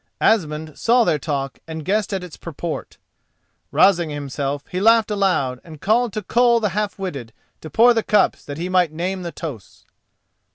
Asmund saw their talk and guessed its purport. Rousing himself he laughed aloud and called to Koll the Half witted to pour the cups that he might name the toasts.